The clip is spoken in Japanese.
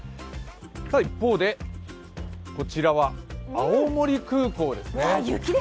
一方でこちらは青森空港ですね。